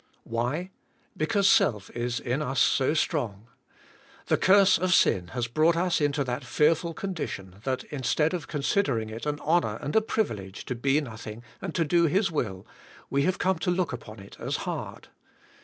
Why? Because self is in us so strong. The curse of sin has brought us into that fearful condition, that instead of considering it an honor and a privilege to be nothing and to do His will, we have come to look upon it as hard.